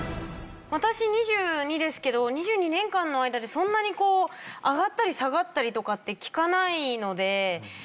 私２２ですけど２２年間の間でそんなに上がったり下がったりとかって聞かないので。